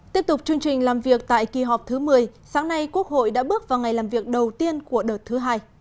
tiếp tục chương trình làm việc tại kỳ họp thứ một mươi sáng nay quốc hội đã bước vào ngày làm việc đầu tiên của đợt thứ hai